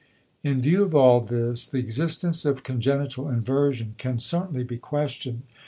In view of all this, the existence of congenital inversion can certainly be questioned.